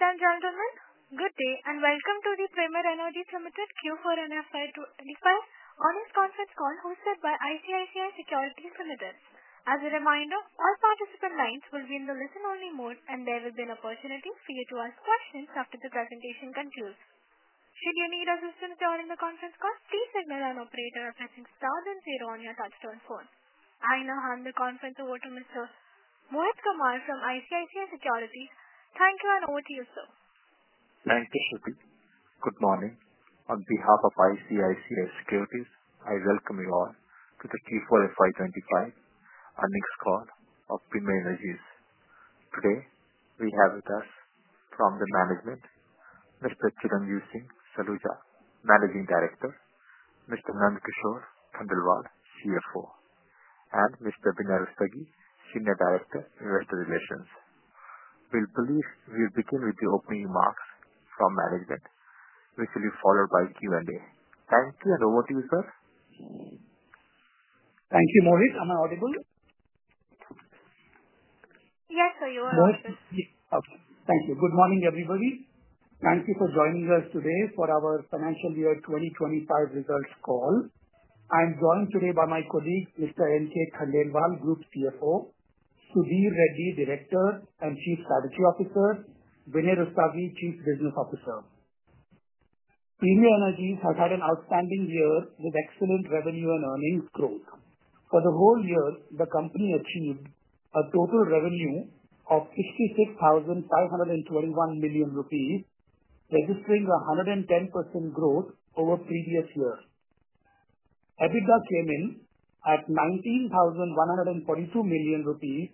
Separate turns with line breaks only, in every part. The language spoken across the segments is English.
Ladies and gentlemen, good day and welcome to the Premier Energies Limited Q4 and FY25 Earnings Conference Call hosted by ICICI Securities Limited. As a reminder, all participant lines will be in the listen-only mode, and there will be an opportunity for you to ask questions after the presentation concludes. Should you need assistance during the conference call, please signal an operator by pressing star and zero on your touch-tone phone. I now hand the conference over to Mr. Mohit Kumar from ICICI Securities. Thank you, and over to you, sir.
Thank you, Shruti. Good morning. On behalf of ICICI Securities, I welcome you all to the Q4 and FY2025 earnings call of Premier Energies. Today, we have with us from the management, Mr. Chiranjeev Singh Saluja, Managing Director, Mr. Nand Kishore Khandelwal, CFO, and Mr. Vinay Rustagi, Senior Director, Investor Relations. We will begin with the opening remarks from management, which will be followed by Q&A. Thank you, and over to you, sir.
Thank you, Mohit. Am I audible?
Yes, sir. You are.
Mohit, thank you. Good morning, everybody. Thank you for joining us today for our financial year 2025 results call. I'm joined today by my colleague, Mr. N. K. Khandelwal, Group CFO, Sudhir Reddy, Director and Chief Strategy Officer, Vinay Rustagi, Chief Business Officer. Premier Energies has had an outstanding year with excellent revenue and earnings growth. For the whole year, the company achieved a total revenue of 56,521 million rupees, registering a 110% growth over the previous year. EBITDA came in at 19,142 million rupees,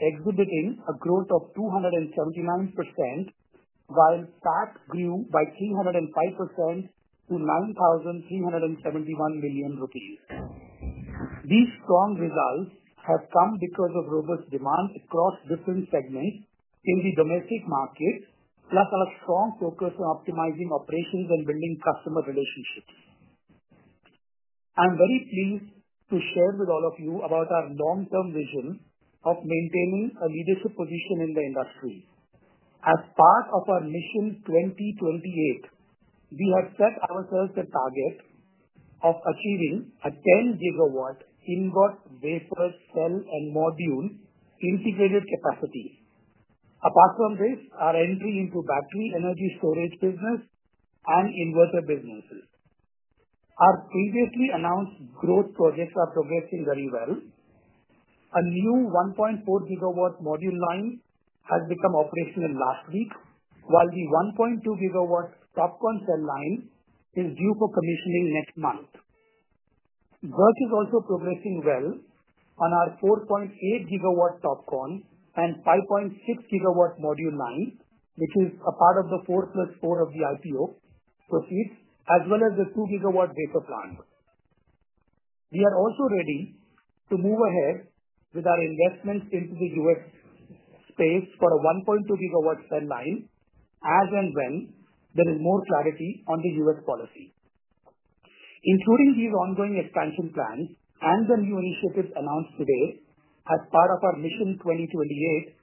exhibiting a growth of 279%, while PAT grew by 305% to 9,371 million rupees. These strong results have come because of robust demand across different segments in the domestic market, plus our strong focus on optimizing operations and building customer relationships. I'm very pleased to share with all of you about our long-term vision of maintaining a leadership position in the industry. As part of our Mission 2028, we have set ourselves a target of achieving a 10-gigawatt ingot, wafer, cell, and module integrated capacity. Apart from this, our entry into battery energy storage business and inverter businesses. Our previously announced growth projects are progressing very well. A new 1.4-gigawatt module line has become operational last week, while the 1.2-gigawatt TOPCon cell line is due for commissioning next month. Work is also progressing well on our 4.8-gigawatt TOPCon and 5.6-gigawatt module line, which is a part of the 4 plus 4 of the IPO proceeds, as well as the 2-gigawatt wafer plant. We are also ready to move ahead with our investments into the U.S. space for a 1.2-gigawatt cell line as and when there is more clarity on the U.S. policy. Including these ongoing expansion plans and the new initiatives announced today as part of our Mission 2028,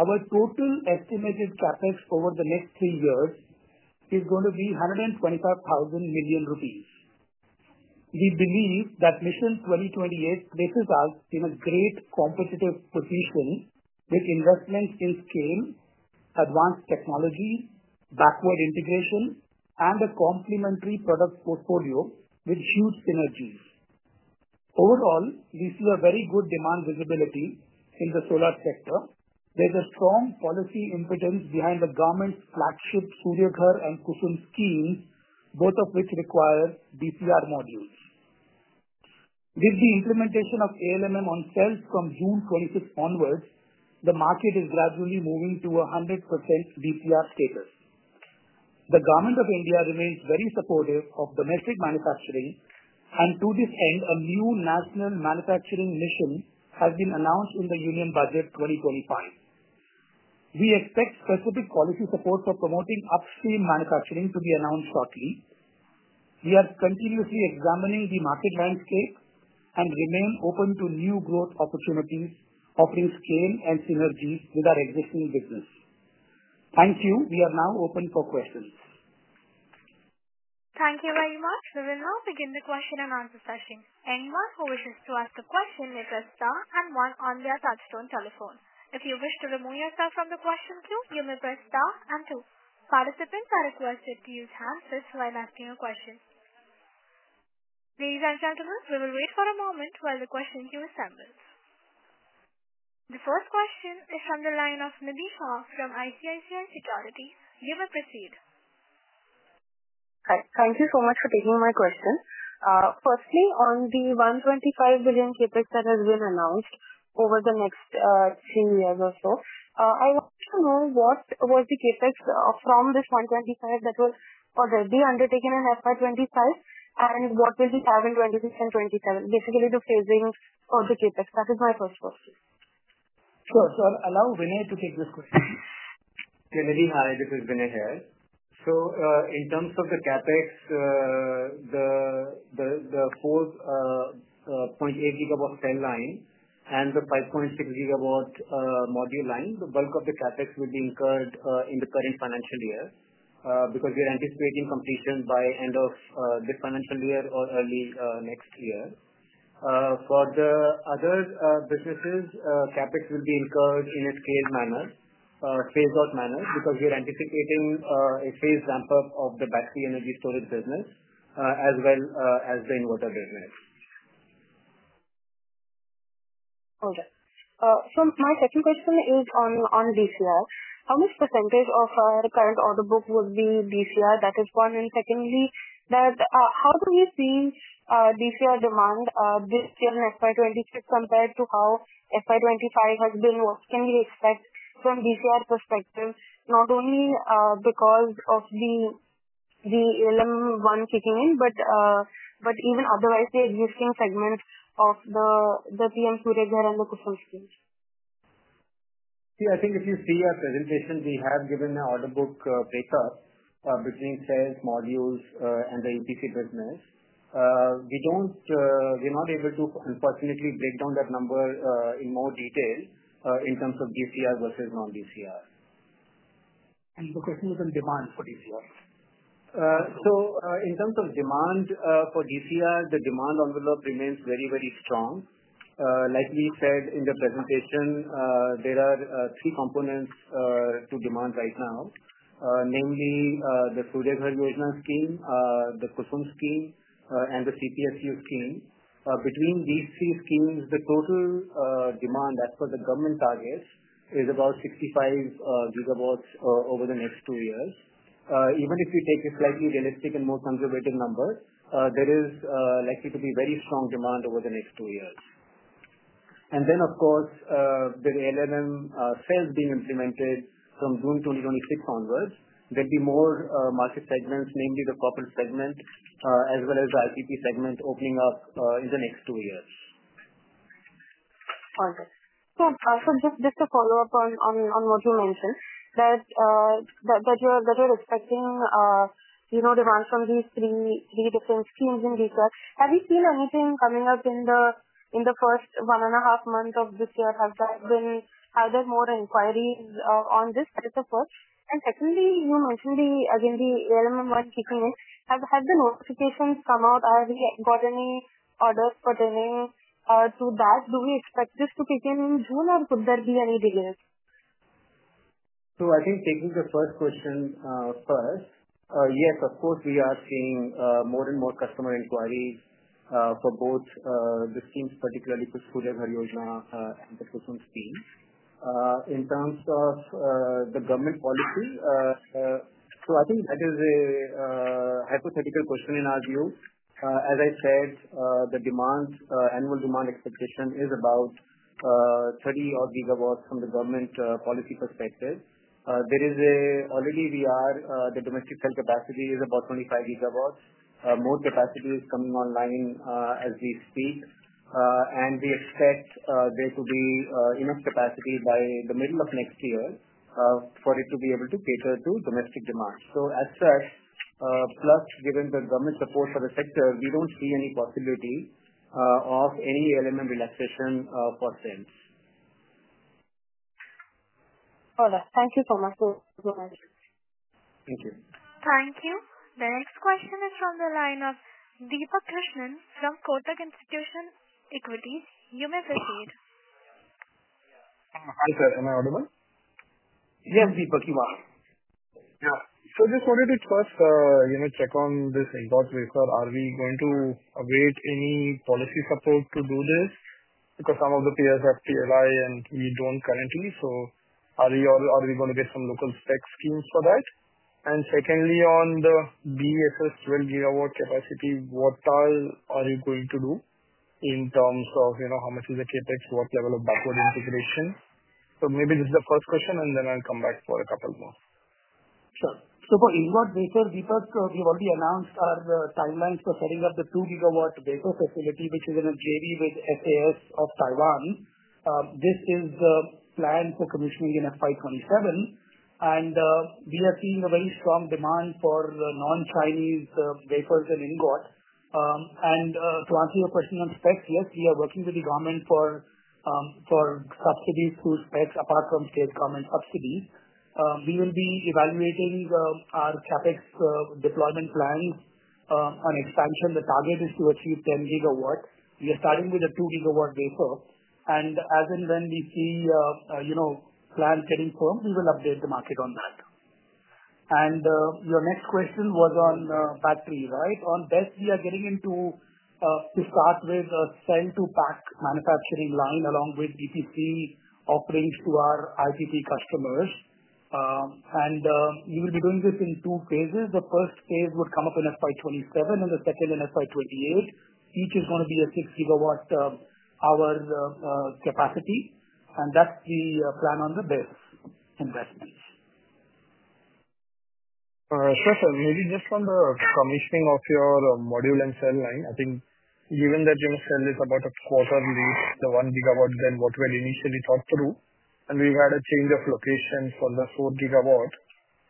our total estimated CapEx over the next three years is going to be 125,000 million rupees. We believe that Mission 2028 places us in a great competitive position with investments in scale, advanced technology, backward integration, and a complementary product portfolio with huge synergies. Overall, we see a very good demand visibility in the solar sector. There's a strong policy impetus behind the government's flagship Suryaghar and KUSUM schemes, both of which require DCR modules. With the implementation of ALMM on cells from June 2026 onwards, the market is gradually moving to a 100% DCR status. The Government of India remains very supportive of domestic manufacturing, and to this end, a new National Manufacturing Mission has been announced in the Union Budget 2025. We expect specific policy support for promoting upstream manufacturing to be announced shortly. We are continuously examining the market landscape and remain open to new growth opportunities, offering scale and synergies with our existing business. Thank you. We are now open for questions.
Thank you very much. We will now begin the question and answer session. Anyone who wishes to ask a question may press star and one on their touch-tone telephone. If you wish to remove yourself from the question queue, you may press star and two. Participants are requested to use handsets while asking a question. Ladies and gentlemen, we will wait for a moment while the question queue assembles. The first question is from the line of Nidhi Shah from ICICI Securities. You may proceed.
Thank you so much for taking my question. Firstly, on the 125 billion CapEx that has been announced over the next three years or so, I want to know what was the CapEx from this 125 billion that was already undertaken in FY 2025, and what will we have in 2026 and 2027? Basically, the phasing of the CapEx. That is my first question.
Sure, sir. Allow Vinay to take this question.
Yeah, Nidhi, this is Vinay here. In terms of the CapEx, the 4.8-gigawatt cell line and the 5.6-gigawatt module line, the bulk of the CapEx will be incurred in the current financial year because we are anticipating completion by the end of this financial year or early next year. For the other businesses, CapEx will be incurred in a phased-out manner because we are anticipating a phased ramp-up of the battery energy storage business as well as the inverter business.
Okay. So my second question is on DCR. How much percentage of the current order book will be DCR? That is one. And secondly, how do we see DCR demand this year in FY 2026 compared to how FY 2025 has been? What can we expect from DCR perspective, not only because of the ALMM one kicking in, but even otherwise, the existing segments of the PM Suryaghar and the KUSUM schemes?
Yeah, I think if you see our presentation, we have given an order book breakup between cells, modules, and the EPC business. We're not able to, unfortunately, break down that number in more detail in terms of DCR versus non-DCR.
The question was on demand for DCR.
In terms of demand for DCR, the demand envelope remains very, very strong. Like we said in the presentation, there are three components to demand right now, namely the Suryaghar Yojana scheme, the KUSUM scheme, and the CPSU scheme. Between these three schemes, the total demand as per the government targets is about 65 gigawatts over the next two years. Even if you take a slightly realistic and more conservative number, there is likely to be very strong demand over the next two years. Of course, with ALMM cells being implemented from June 2026 onwards, there will be more market segments, namely the copper segment as well as the ICP segment opening up in the next two years.
Okay. Just to follow up on what you mentioned, that you're expecting demand from these three different schemes in detail. Have you seen anything coming up in the first one-and-a-half months of this year? Has there been either more inquiries on this? As a first. Secondly, you mentioned again the ALMM one kicking in. Have the notifications come out? Have you got any orders pertaining to that? Do we expect this to kick in in June, or could there be any delays?
I think taking the first question first, yes, of course, we are seeing more and more customer inquiries for both the schemes, particularly the Suryaghar Yojana and the KUSUM scheme. In terms of the government policy, I think that is a hypothetical question in our view. As I said, the annual demand expectation is about 30 odd gigawatts from the government policy perspective. Already, the domestic cell capacity is about 25 gigawatts. More capacity is coming online as we speak, and we expect there to be enough capacity by the middle of next year for it to be able to cater to domestic demand. As such, plus given the government support for the sector, we do not see any possibility of any ALMM relaxation for sales.
All right. Thank you so much.
Thank you.
Thank you. The next question is from the line of Deepak Krishnan from Kotak Institutional Equities. You may proceed.
Hi, sir. Am I audible?
Yes, Deepak, you are.
Yeah. I just wanted to first check on this exact wafer. Are we going to await any policy support to do this? Because some of the players have PLI, and we do not currently. Are we going to get some local SPECS schemes for that? Secondly, on the BESS 12-gigawatt capacity, what are you going to do in terms of how much is the CapEx, what level of backward integration? Maybe this is the first question, and then I will come back for a couple more.
Sure. For ingot wafer, Deepak, we have already announced our timeline for setting up the 2 gigawatt wafer facility, which is in a JV with SAS of Taiwan. This is planned for commissioning in FY2027, and we are seeing very strong demand for non-Chinese wafers and ingot. To answer your question on SPECS, yes, we are working with the government for subsidies through SPECS, apart from state government subsidies. We will be evaluating our CapEx deployment plans on expansion. The target is to achieve 10 gigawatts. We are starting with a 2 gigawatt wafer. As and when we see plans getting firm, we will update the market on that. Your next question was on batteries, right? On that, we are getting into, to start with, a cell-to-pack manufacturing line along with EPC offerings to our IPP customers. We will be doing this in two phases. The first phase would come up in FY2027, and the second in FY2028. Each is going to be a 6 gigawatt-hour capacity. That is the plan on the BESS investments.
All right. Sure. So maybe just on the commissioning of your module and cell line, I think given that your cell is about a quarter, at least, the 1 gigawatt, than what we had initially thought to do, and we've had a change of location for the 4 gigawatts,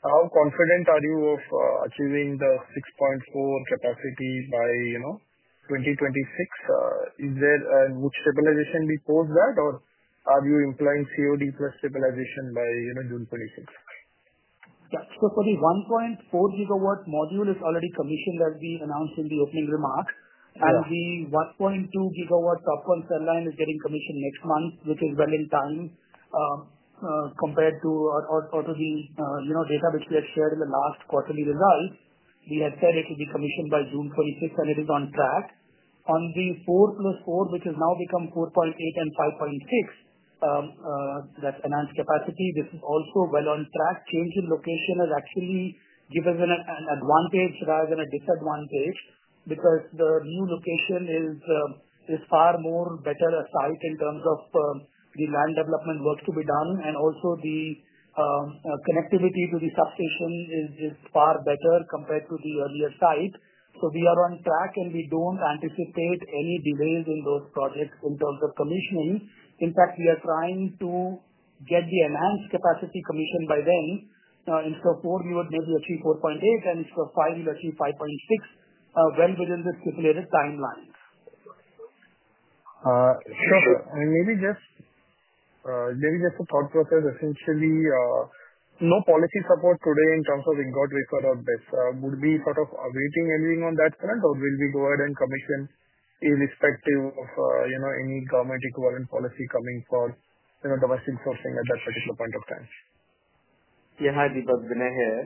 how confident are you of achieving the 6.4 capacity by 2026? Is there a mood stabilization before that, or are you employing COD plus stabilization by June 2026?
Yeah. For the 1.4-gigawatt module, it's already commissioned, as we announced in the opening remark. The 1.2-gigawatt TOPCon cell line is getting commissioned next month, which is well in time compared to the date which we had shared in the last quarterly results. We had said it would be commissioned by June 2026, and it is on track. On the 4 plus 4, which has now become 4.8 and 5.6, that's enhanced capacity, this is also well on track. Changing location has actually given us an advantage rather than a disadvantage because the new location is far better a site in terms of the land development work to be done. Also, the connectivity to the substation is far better compared to the earlier site. We are on track, and we do not anticipate any delays in those projects in terms of commissioning. In fact, we are trying to get the enhanced capacity commissioned by then. Instead of 4, we would maybe achieve 4.8, and instead of 5, we'll achieve 5.6 well within the stipulated timeline.
Sure. Maybe just a thought process. Essentially, no policy support today in terms of inverter waiver or BESS would be sort of awaiting anything on that front, or will we go ahead and commission irrespective of any government equivalent policy coming for domestic sourcing at that particular point of time?
Yeah, hi, Deepak. Vinay here.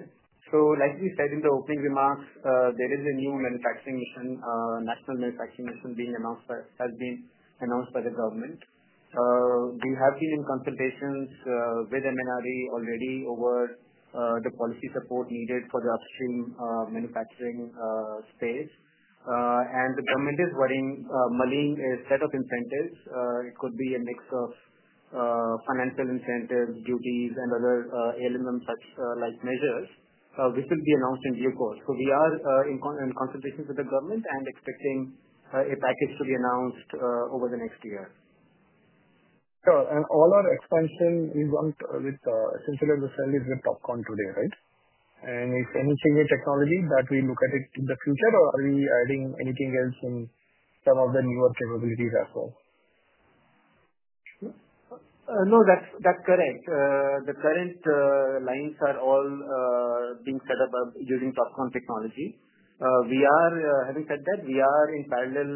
Like we said in the opening remarks, there is a new manufacturing mission, national manufacturing mission being announced by the government. We have been in consultations with MNRE already over the policy support needed for the upstream manufacturing space. The government is working on a set of incentives. It could be a mix of financial incentives, duties, and other ALMM-like measures, which will be announced in due course. We are in consultations with the government and expecting a package to be announced over the next year.
Sure. And all our expansion, essentially, the cell is with TOPCon today, right? And if anything, the technology, that we look at it in the future, or are we adding anything else in some of the newer capabilities as well?
No, that's correct. The current lines are all being set up using TOPCon technology. Having said that, we are in parallel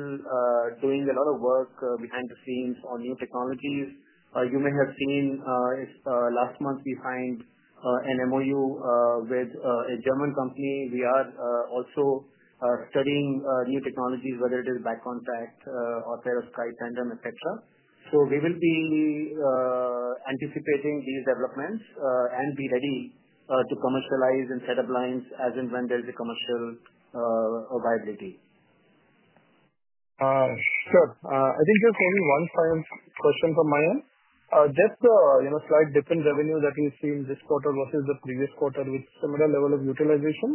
doing a lot of work behind the scenes on new technologies. You may have seen last month we signed an MOU with a German company. We are also studying new technologies, whether it is BakContact, or there, or SkyTandem, etc. We will be anticipating these developments and be ready to commercialize and set up lines as and when there's a commercial viability.
Sure. I think just maybe one final question from my end. Just a slight different revenue that we've seen this quarter versus the previous quarter with similar level of utilization.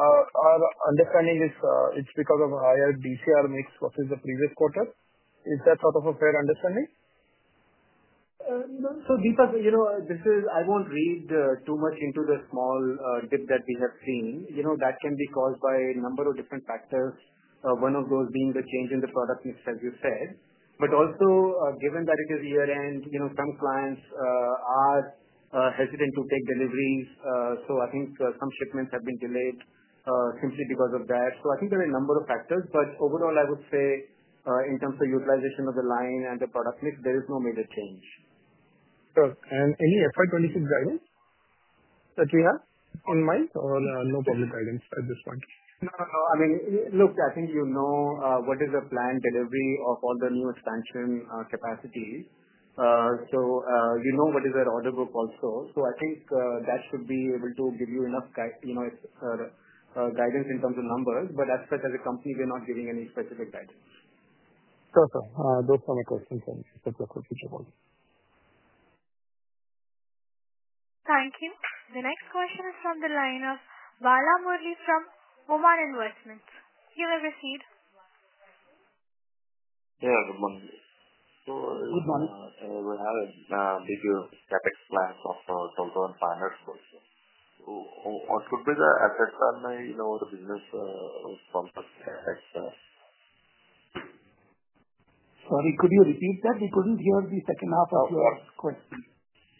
Our understanding is it's because of a higher DCR mix versus the previous quarter. Is that sort of a fair understanding?
Deepak, I won't read too much into the small dip that we have seen. That can be caused by a number of different factors, one of those being the change in the product mix, as you said. Also, given that it is year-end, some clients are hesitant to take deliveries. I think some shipments have been delayed simply because of that. I think there are a number of factors. Overall, I would say in terms of utilization of the line and the product mix, there is no major change.
Sure. Any FY26 guidance that you have in mind, or no public guidance at this point?
No, no, no. I mean, look, I think you know what is the planned delivery of all the new expansion capacities. You know what is our order book also. I think that should be able to give you enough guidance in terms of numbers. As such as a company, we're not giving any specific guidance.
Sure, sir. Those are my questions for future work.
Thank you. The next question is from the line of Bala Murali from Oman Investments. You may proceed.
Yeah, good morning.
Good morning
We have a big [ CapEx plan for 12500]. What could be the asset turnover business from the CapEx?
Sorry, could you repeat that? We couldn't hear the second half of your question.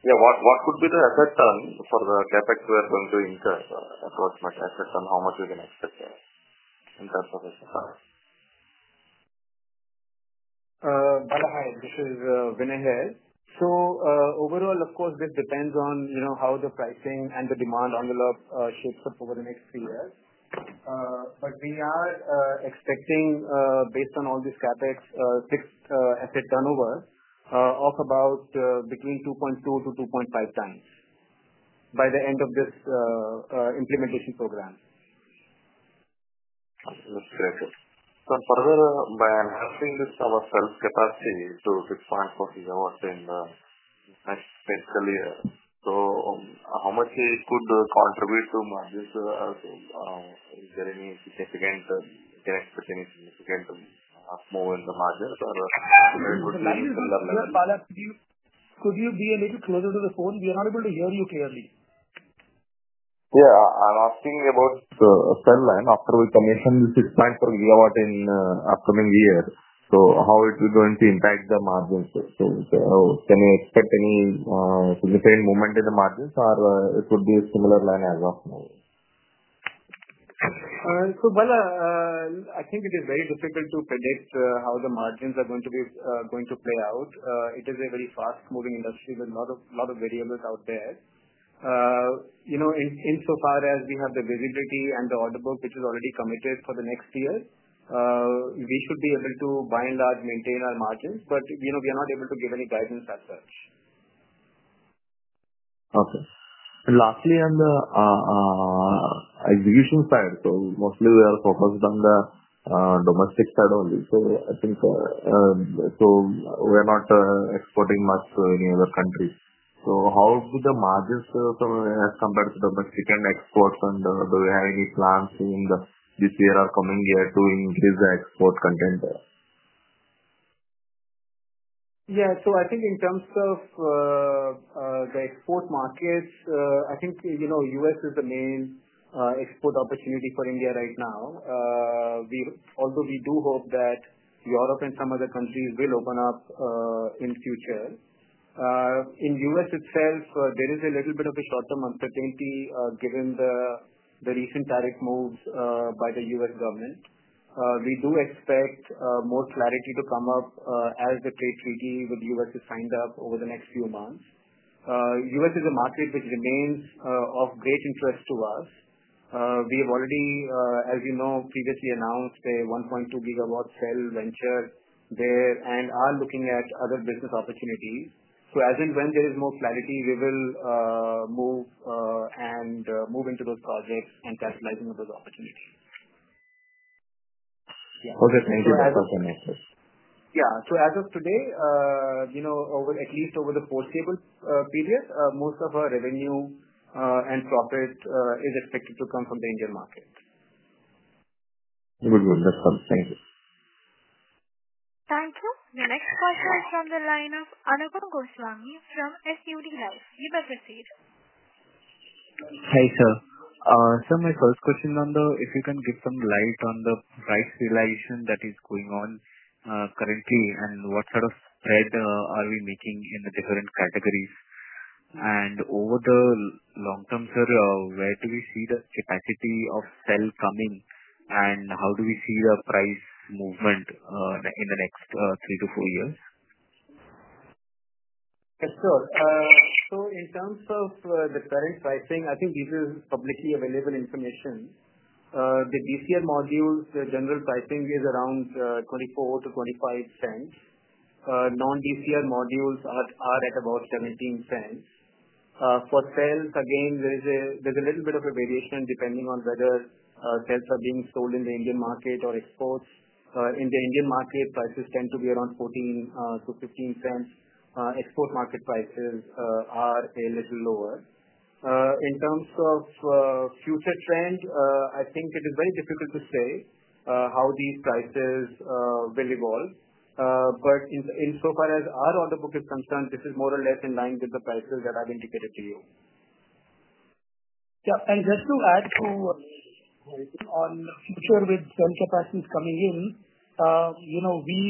Yeah. What could be the asset turn for the CapEx we are going to incur? Approximate asset turn, how much we can expect there in terms of asset turn?
Hi, this is Vinay here. Of course, this depends on how the pricing and the demand envelope shapes up over the next three years. We are expecting, based on all this CapEx, fixed asset turnover of about between 2.2-2.5 times by the end of this implementation program.
That's correct. So far, by enhancing some of the cell capacity to 6.4 gigawatts in the next fiscal year, how much it could contribute to margins? Is there any significant—can I expect any significant move in the margins, or it would be—
Bala, could you be a little closer to the phone? We are not able to hear you clearly.
Yeah. I'm asking about a cell line after we commission the 6.4 gigawatt in the upcoming year. How is it going to impact the margins? Can you expect any significant movement in the margins, or it would be a similar line as of now?
Bala, I think it is very difficult to predict how the margins are going to play out. It is a very fast-moving industry with a lot of variables out there. Insofar as we have the visibility and the order book which is already committed for the next year, we should be able to, by and large, maintain our margins. We are not able to give any guidance as such.
Okay. Lastly, on the execution side, mostly we are focused on the domestic side only. I think we are not exporting much to any other countries. How do the margins compare to domestic and exports, and do we have any plans in this year or coming year to increase the export content?
Yeah. I think in terms of the export markets, I think the U.S. is the main export opportunity for India right now. Although we do hope that Europe and some other countries will open up in the future. In the U.S. itself, there is a little bit of a short-term uncertainty given the recent tariff moves by the U.S. government. We do expect more clarity to come up as the trade treaty with the U.S. is signed up over the next few months. The U.S. is a market which remains of great interest to us. We have already, as you know, previously announced a 1.2 gigawatt cell venture there and are looking at other business opportunities. As and when there is more clarity, we will move and move into those projects and capitalize on those opportunities.
Okay. Thank you for that answer.
Yeah. As of today, at least over the foreseeable period, most of our revenue and profit is expected to come from the Indian market.
Good. That's fine. Thank you.
Thank you. The next question is from the line of Anupam Goswami from SUD Life. You may proceed.
Hi, sir. My first question on the—if you can give some light on the price realization that is going on currently and what sort of spread are we making in the different categories. Over the long term, sir, where do we see the capacity of cell coming, and how do we see the price movement in the next three to four years?
Sure. In terms of the current pricing, I think this is publicly available information. The DCR modules, the general pricing is around $24-$25 cents. Non-DCR modules are at about $17 cents. For cells, again, there is a little bit of a variation depending on whether cells are being sold in the Indian market or exports. In the Indian market, prices tend to be around $14-$15 cents. Export market prices are a little lower. In terms of future trend, I think it is very difficult to say how these prices will evolve. Insofar as our order book is concerned, this is more or less in line with the prices that I've indicated to you.
Yeah. Just to add on the future with cell capacities coming in, we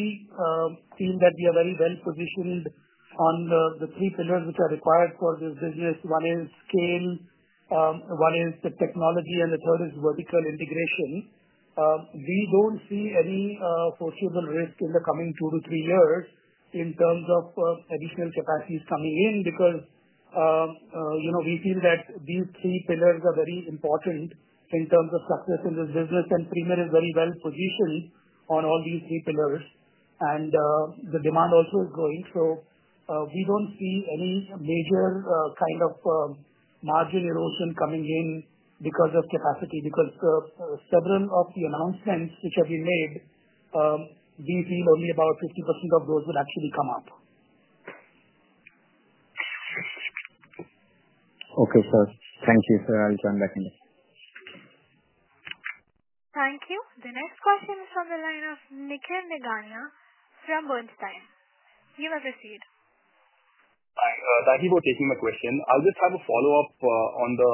feel that we are very well positioned on the three pillars which are required for this business. One is scale, one is the technology, and the third is vertical integration. We do not see any foreseeable risk in the coming two to three years in terms of additional capacities coming in because we feel that these three pillars are very important in terms of success in this business. Premier is very well positioned on all these three pillars. The demand also is growing. We do not see any major kind of margin erosion coming in because of capacity because several of the announcements which have been made, we feel only about 50% of those will actually come up.
Okay, sir. Thank you, sir. I'll turn back in.
Thank you. The next question is from the line of Nikhil Nigania from Bernstein. You may proceed.
Hi. Thank you for taking my question. I'll just have a follow-up on the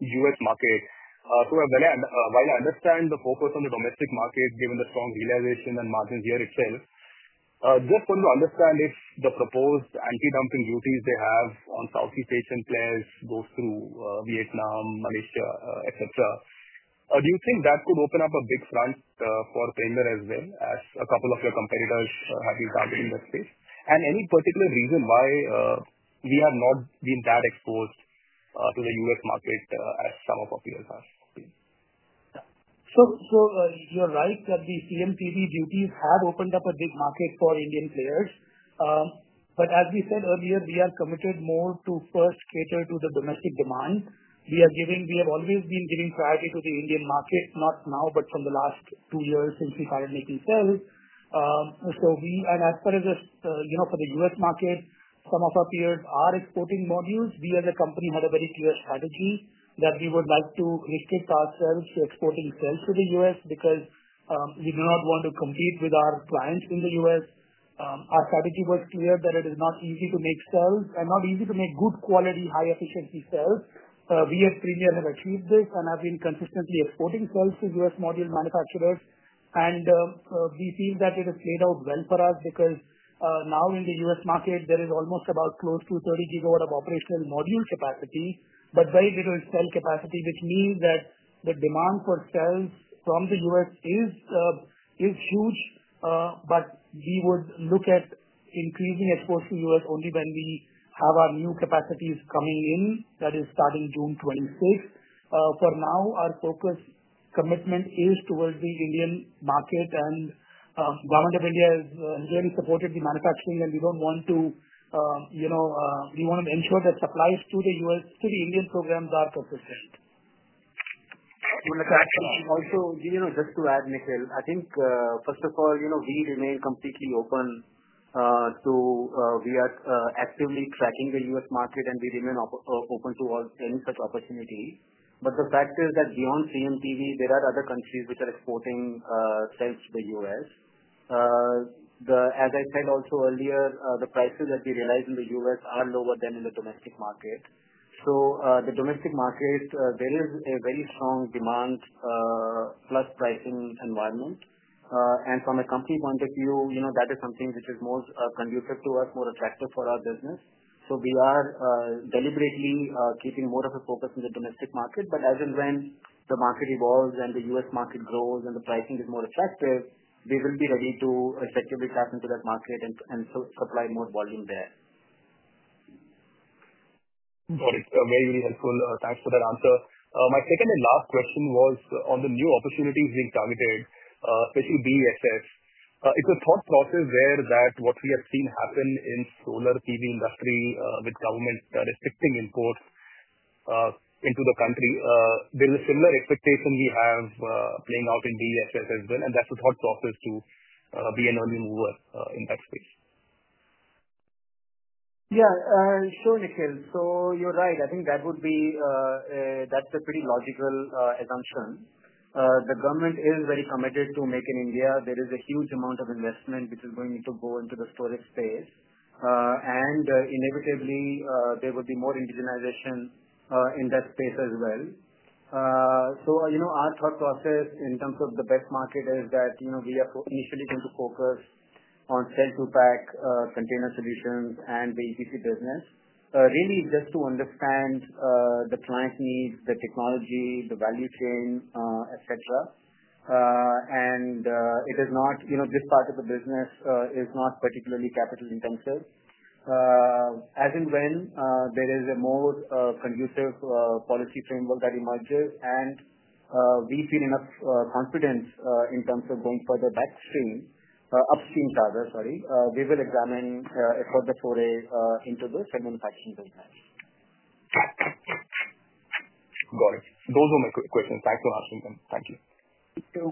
U.S. market. While I understand the focus on the domestic market given the strong realization and margins here itself, I just want to understand if the proposed anti-dumping duties they have on Southeast Asian players go through Vietnam, Malaysia, etc. Do you think that could open up a big front for Premier as well, as a couple of your competitors have been targeting that space? Any particular reason why we have not been that exposed to the U.S. market as some of our peers are?
You're right that the CMTV duties have opened up a big market for Indian players. As we said earlier, we are committed more to first cater to the domestic demand. We have always been giving priority to the Indian market, not now, but from the last two years since we started making cells. As far as for the U.S. market, some of our peers are exporting modules. We, as a company, had a very clear strategy that we would like to restrict ourselves to exporting cells to the U.S. because we do not want to compete with our clients in the U.S. Our strategy was clear that it is not easy to make cells and not easy to make good quality, high-efficiency cells. We at Premier have achieved this and have been consistently exporting cells to U.S. module manufacturers. We feel that it has played out well for us because now in the U.S. market, there is almost about close to 30 gigawatts of operational module capacity, but very little cell capacity, which means that the demand for cells from the U.S. is huge. We would look at increasing exports to the U.S. only when we have our new capacities coming in, that is starting June 26. For now, our focus commitment is towards the Indian market, and the Government of India has really supported the manufacturing, and we want to ensure that supplies to the U.S. through the Indian programs are consistent.
Also, just to add, Nikhil, I think, first of all, we remain completely open to—we are actively tracking the U.S. market, and we remain open to any such opportunity. The fact is that beyond CMTV, there are other countries which are exporting cells to the U.S. As I said also earlier, the prices that we realize in the U.S. are lower than in the domestic market. The domestic market, there is a very strong demand-plus pricing environment. From a company point of view, that is something which is more conducive to us, more attractive for our business. We are deliberately keeping more of a focus on the domestic market. As and when the market evolves and the U.S. market grows and the pricing is more attractive, we will be ready to effectively tap into that market and supply more volume there.
Got it. Very, very helpful. Thanks for that answer. My second and last question was on the new opportunities being targeted, especially BESS. It's a thought process there that what we have seen happen in the solar PV industry with government restricting imports into the country, there is a similar expectation we have playing out in BESS as well. It's a thought process to be an early mover in that space.
Yeah. Sure, Nikhil. You're right. I think that would be—that's a pretty logical assumption. The government is very committed to making India. There is a huge amount of investment which is going to go into the storage space. Inevitably, there would be more indigenization in that space as well. Our thought process in terms of the best market is that we are initially going to focus on cell-to-pack container solutions and the EPC business, really just to understand the client needs, the technology, the value chain, etc. It is not—this part of the business is not particularly capital-intensive. As and when there is a more conducive policy framework that emerges, and we feel enough confidence in terms of going further backstream—upstream rather, sorry—we will examine the foray into the cell manufacturing business.
Got it. Those are my questions. Thanks for asking them. Thank you.
You too.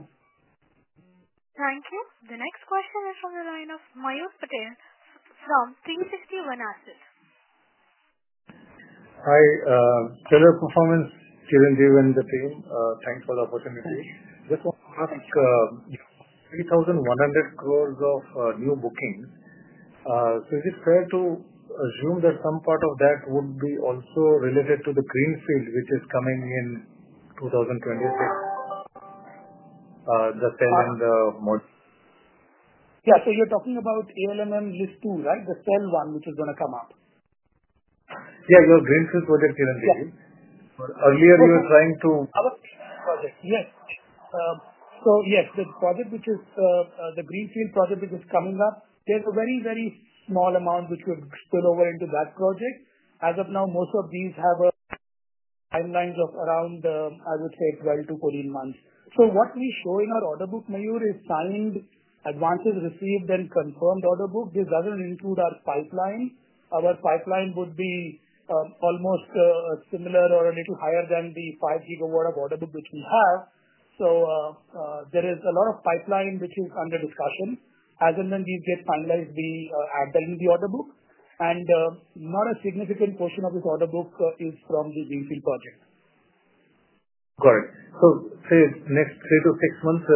Thank you. The next question is from the line of Mayur Patel from 361 Asset.
Hi. Steller performance, Chiranjeev and the team, thanks for the opportunity. Just want to ask, 3,100 crores of new bookings. So is it fair to assume that some part of that would be also related to the greenfield which is coming in 2026, the cell and the module?
Yeah. So you're talking about ALMM list two, right? The cell one which is going to come up?
Yeah. Your greenfield project, Chiranjeev. Earlier, you were trying to—
Our greenfield project. Yes. Yes, the project which is the greenfield project which is coming up, there's a very, very small amount which would spill over into that project. As of now, most of these have timelines of around, I would say, 12-14 months. What we show in our order book, Mayur, is signed, advances received, and confirmed order book. This does not include our pipeline. Our pipeline would be almost similar or a little higher than the 5 gigawatt of order book which we have. There is a lot of pipeline which is under discussion. As and when these get finalized, we add them in the order book. Not a significant portion of this order book is from the greenfield project.
Got it. So say next three to six months,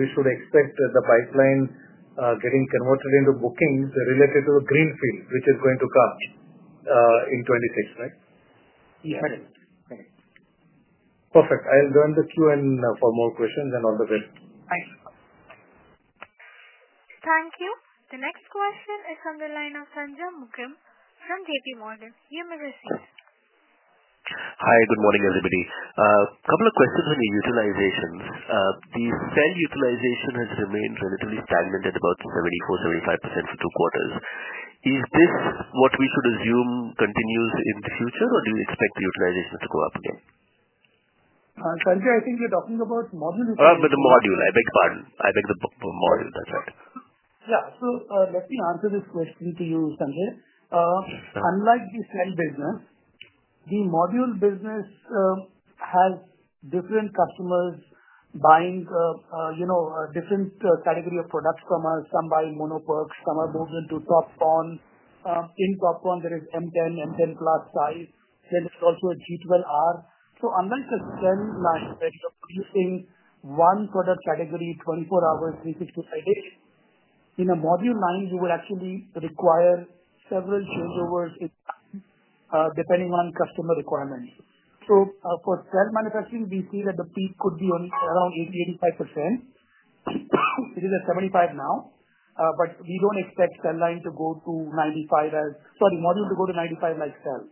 we should expect the pipeline getting converted into bookings related to the greenfield which is going to come in 2026, right?
Yes.
Correct. Perfect. I'll join the Q&A for more questions and all the best.
Thanks.
Thank you. The next question is from the line of Sanjay Mookim from JPMorgan. You may proceed.
Hi. Good morning, everybody. A couple of questions on the utilizations. The cell utilization has remained relatively stagnant at about 74-75% for two quarters. Is this what we should assume continues in the future, or do you expect the utilization to go up again?
Sanjay, I think you're talking about module utilization.
The module. I beg pardon. I beg the module. That's right.
Yeah. Let me answer this question to you, Sanjay. Unlike the cell business, the module business has different customers buying a different category of products from us. Some buy mono PERCs. Some are moved into TOPCon. In TOPCon, there is M10, M10 Plus size. Then there is also a G12R. Unlike a cell manufacturer producing one product category 24 hours, 365 days, in a module line, you would actually require several changeovers depending on customer requirements. For cell manufacturing, we see that the peak could be around 80-85%. It is at 75% now. We do not expect the module line to go to 95% like cell.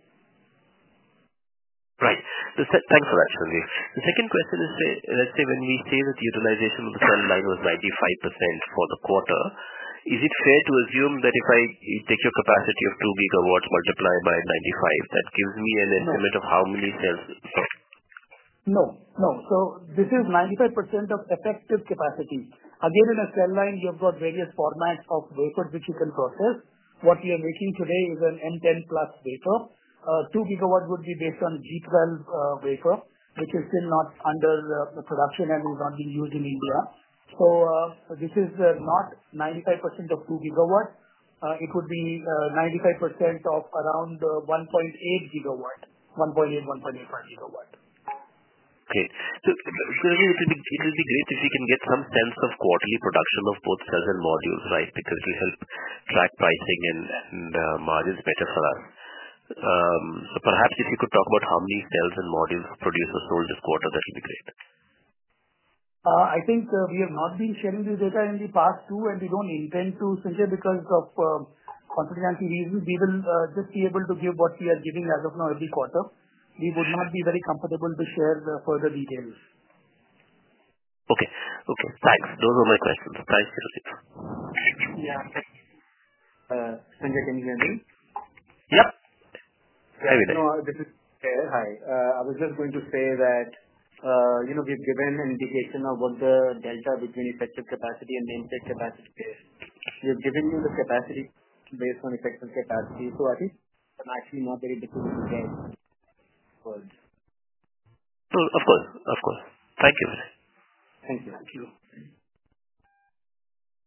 Right. Thanks for that, Chiranjeev. The second question is, let's say when we say that the utilization of the cell line was 95% for the quarter, is it fair to assume that if I take your capacity of 2 gigawatts multiplied by 95, that gives me an estimate of how many cells?
No. No. This is 95% of effective capacity. Again, in a cell line, you've got various formats of wafers which you can process. What we are making today is an M10 Plus wafer. 2 gigawatts would be based on G12 wafer, which is still not under production and is not being used in India. This is not 95% of 2 gigawatts. It would be 95% of around 1.8 gigawatts, 1.8, 1.85 gigawatts.
Great. It would be great if you can get some sense of quarterly production of both cells and modules, right, because it will help track pricing and margins better for us. Perhaps if you could talk about how many cells and modules produced or sold this quarter, that would be great.
I think we have not been sharing this data in the past too, and we do not intend to, Sanjay, because of confidential reasons. We will just be able to give what we are giving as of now every quarter. We would not be very comfortable to share further details.
Okay. Okay. Thanks. Those are my questions. Thanks, Chiranjeev.
Yeah. Sanjay, can you hear me?
Yep. Hi Vinay.
No, this is to say Hi. I was just going to say that we've given an indication of what the delta between effective capacity and named state capacity is. We have given you the capacity based on effective capacity. I think I'm actually not very difficult to guess.
Of course. Thank you, Vinay.
Thank you.
Thank you.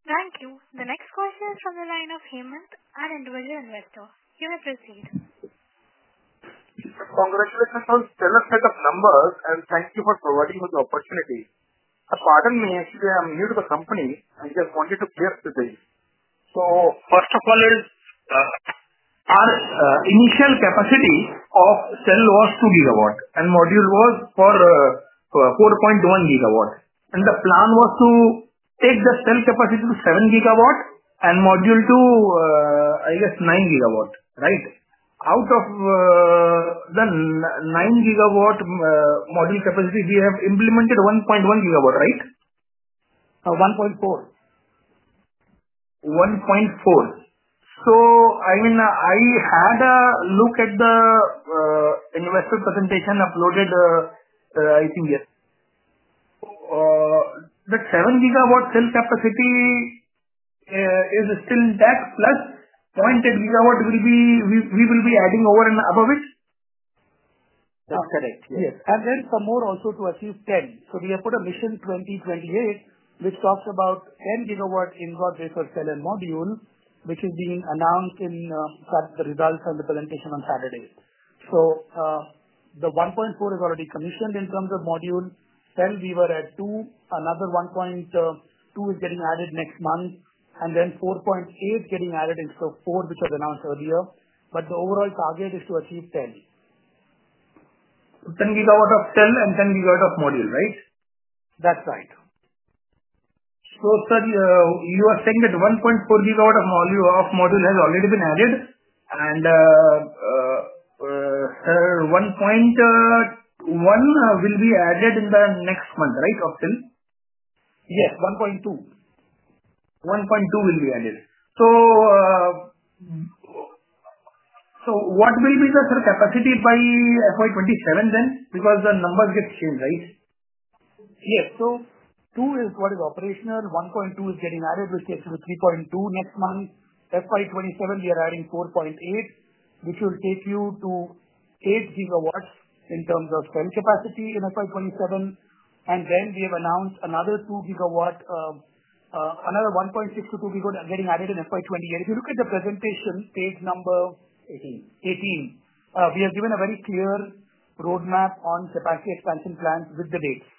Thank you. The next question is from the line of Hemant, an individual Investor. You may proceed. Congratulations on stellar set of numbers, and thank you for providing for the opportunity. Pardon me, actually, I'm new to the company. I just wanted to clear up the thing.
First of all, our initial capacity of cell was 2 gigawatts, and module was for 4.1 gigawatts. The plan was to take the cell capacity to 7 gigawatts and module to, I guess, 9 gigawatts, right? Out of the 9 gigawatt module capacity, we have implemented 1.1 gigawatts, right? 1.4. 1.4. I had a look at the investor presentation uploaded, I think, yesterday. That 7 gigawatt cell capacity is still intact, plus 0.8 gigawatt will be we will be adding over and above it.
That's correct, yes
YAnd then some more also to achieve 10. We have put a mission 2028, which talks about 10 gigawatt inverter-based cell and module, which is being announced in the results and the presentation on Saturday. The 1.4 is already commissioned in terms of module. Cell, we were at 2. Another 1.2 is getting added next month, and then 4.8 getting added instead of 4, which was announced earlier. The overall target is to achieve 10. 10 gigawatt of cell and 10 gigawatt of module, right? That's right. You are saying that 1.4 gigawatt of module has already been added, and 1.1 will be added in the next month, right, of cell? Yes. 1.2. 1.2 will be added. What will be the cell capacity by FY2027 then? Because the numbers get changed, right? Yes. 2 is what is operational. 1.2 is getting added, which takes you to 3.2 next month. FY2027, we are adding 4.8, which will take you to 8 gigawatt in terms of cell capacity in FY2027. We have announced another 2 gigawatt, another 1.6 to 2 gigawatt getting added in FY2028. If you look at the presentation page number.
18.
We have given a very clear roadmap on capacity expansion plans with the dates.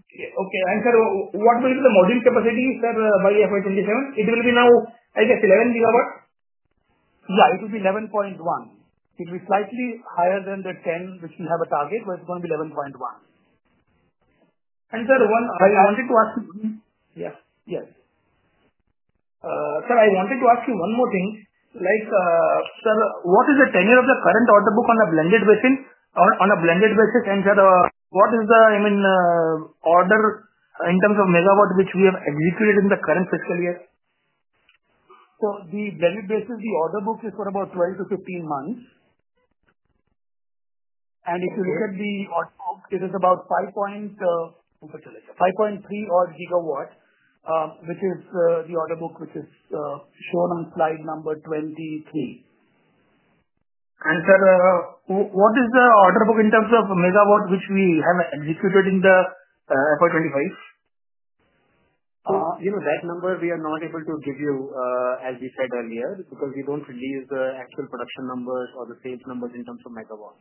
Okay. And sir, what will be the module capacity, sir, by FY2027? It will be now, I guess, 11 gigawatts? Yeah. It will be 11.1. It will be slightly higher than the 10, which we have a target, but it's going to be 11.1. Sir, one I wanted to ask you. Yes. Yes. Sir, I wanted to ask you one more thing. Sir, what is the tenure of the current order book on a blended basis? Sir, what is the, I mean, order in terms of megawatt which we have executed in the current fiscal year? The blended basis, the order book is for about 12-15 months. If you look at the order book, it is about 5.3 gigawatts, which is the order book which is shown on slide number 23. Sir, what is the order book in terms of megawatt which we have executed in the FY25?
That number, we are not able to give you, as we said earlier, because we do not release the actual production numbers or the sales numbers in terms of megawatts.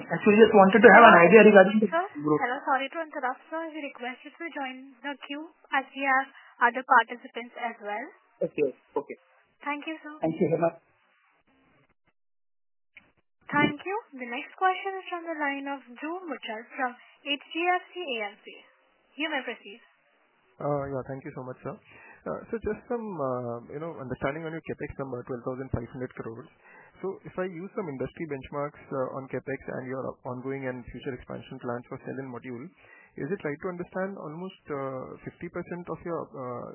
Actually, just wanted to have an idea regarding.
Hello. Sorry to interrupt. Sir, we request you to join the queue as we have other participants as well. Okay. Okay. Thank you, sir.
Thank you.
Thank you. The next question is from the line of Dhruv Muchhal from HDFC AMC. You may proceed.
Yeah. Thank you so much, sir. Just some understanding on your CapEx number, 12,500 crore. If I use some industry benchmarks on CapEx and your ongoing and future expansion plans for cell and module, is it right to understand almost 50% of your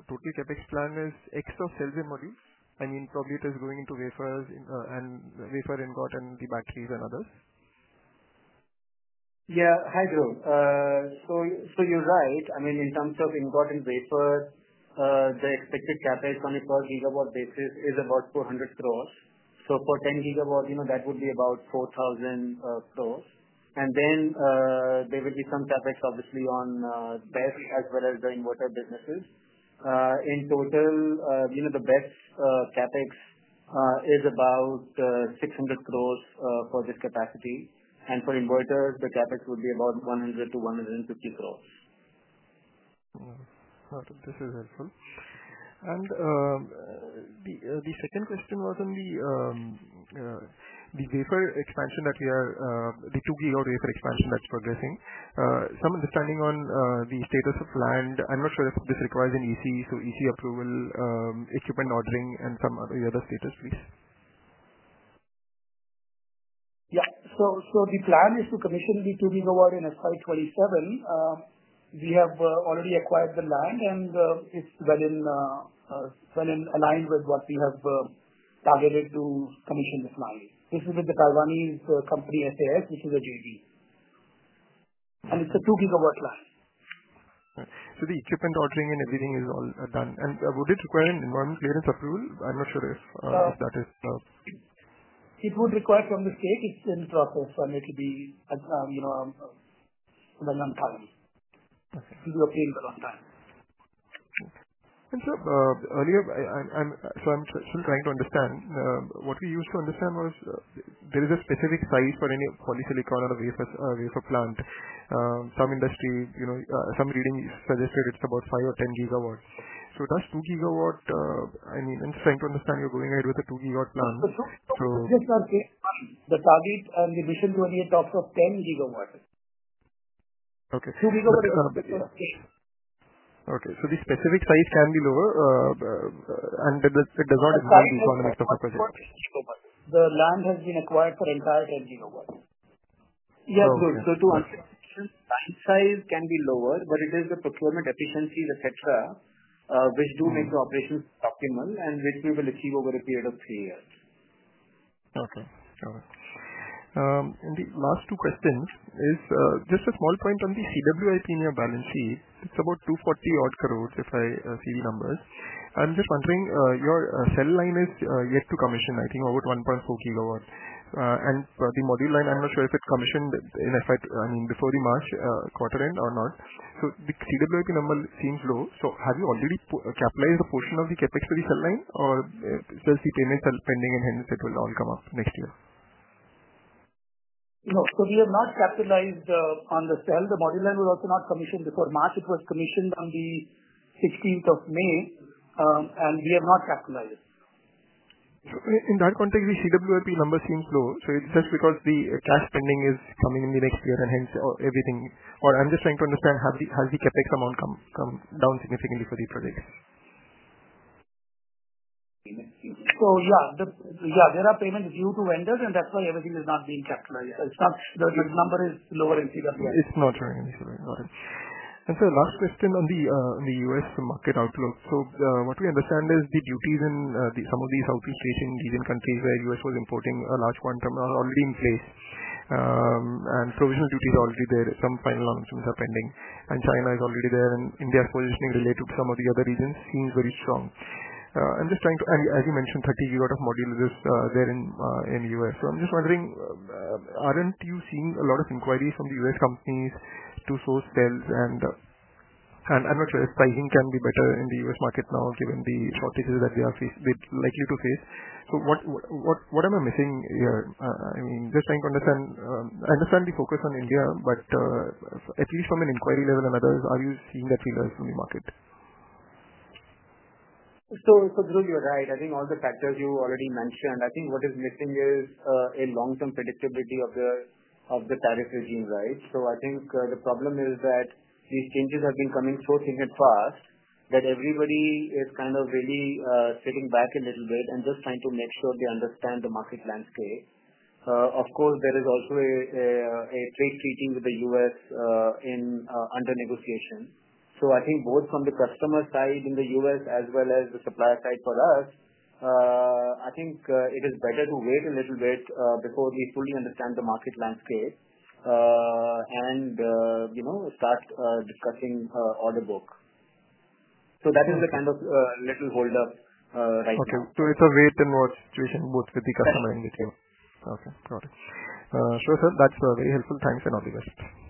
total CapEx plan is ex of cells and modules? I mean, probably it is going into wafers and wafer ingot and the batteries and others.
Yeah. Hi, Jo. So you're right. I mean, in terms of ingot and wafer, the expected CapEx on a 12 gigawatt basis is about 400 crore. For 10 gigawatts, that would be about 4,000 crore. There will be some CapEx, obviously, on BESS as well as the inverter businesses. In total, the BESS CapEx is about 600 crore for this capacity. For inverters, the CapEx would be about 100-150 crore.
Got it. This is helpful. The second question was on the wafer expansion that we are, the 2 gigawatt wafer expansion that's progressing. Some understanding on the status of land. I'm not sure if this requires an EC, so EC approval, equipment ordering, and some of the other status, please.
Yeah. The plan is to commission the 2 gigawatt in FY2027. We have already acquired the land, and it is well aligned with what we have targeted to commission this line. This is with the Taiwanese company, SAS, which is a JV. It is a 2 gigawatt line.
The equipment ordering and everything is all done. Would it require an environment clearance approval? I'm not sure if that is.
It would require from the state. It's in process, and it will be a long time. It will be okay in the long time.
Sir, so I'm still trying to understand. What we used to understand was there is a specific size for any polysilicon or wafer plant. Some industry, some reading suggested it's about 5 or 10 gigawatts. Does 2 gigawatt, I mean, I'm just trying to understand you're going ahead with a 2 gigawatt plan.
This is okay. The target and the Mission 2028 talks of 10 gigawatts. 2 gigawatts is.
Okay. The specific size can be lower, and it does not impact the economics of the project.
The land has been acquired for entire 10 gigawatts.
Yeah. Good.
To answer your question, line size can be lower, but it is the procurement efficiencies, etc., which do make the operations optimal and which we will achieve over a period of three years.
Okay. Sure. The last two questions is just a small point on the CWIP in your balance sheet. It's about 2.4 billion, if I see the numbers. I'm just wondering, your cell line is yet to commission, I think, over 1.4 gigawatts. The module line, I'm not sure if it's commissioned in, I mean, before the March quarter end or not. The CWIP number seems low. Have you already capitalized a portion of the CapEx for the cell line, or is there still payments pending, and hence it will all come up next year?
No. So we have not capitalized on the cell. The module line was also not commissioned before March. It was commissioned on the 16th of May, and we have not capitalized it.
In that context, the CWIP number seems low. Is it just because the cash pending is coming in the next year and hence everything? Or I'm just trying to understand, has the CapEx amount come down significantly for the projects?
Yeah. There are payments due to vendors, and that's why everything is not being capitalized. The number is lower in CWIP.
It's not showing in the CWIP. Got it. Sir, last question on the U.S. market outlook. What we understand is the duties in some of these Southeast Asian region countries where the U.S. was importing a large quantum are already in place, and provisional duties are already there. Some final announcements are pending. China is already there, and India's positioning related to some of the other regions seems very strong. I'm just trying to, as you mentioned, 30 gigawatt of module is there in the U.S. I'm just wondering, aren't you seeing a lot of inquiries from the U.S. companies to source cells? I'm not sure if pricing can be better in the U.S. market now, given the shortages that they are likely to face. What am I missing here? I mean, just trying to understand. I understand the focus on India, but at least from an inquiry level and others, are you seeing that feelers from the market?
Dhruv, you're right. I think all the factors you already mentioned, I think what is missing is a long-term predictability of the tariff regime, right? I think the problem is that these changes have been coming so thin and fast that everybody is kind of really sitting back a little bit and just trying to make sure they understand the market landscape. Of course, there is also a trade treaty with the U.S. under negotiation. I think both from the customer side in the U.S. as well as the supplier side for us, I think it is better to wait a little bit before we fully understand the market landscape and start discussing order book. That is the kind of little holdup right now.
Okay. So it's a wait-and-watch situation, both with the customer and with you. Okay. Got it. Sure, sir. That's very helpful. Thanks and all the best.